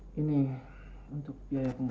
jangan untuk ke formeda